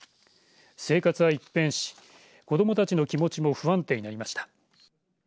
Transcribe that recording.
生活は一変し子どもたちの気持ちも不安定になりました。